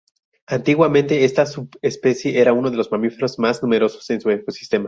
Antiguamente esta subespecie era uno de los mamíferos más numerosos en su ecosistema.